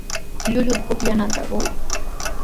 Llulluta pukllananta quy.